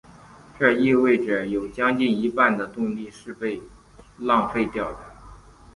这意味者有将近一半的动力是被浪费掉的。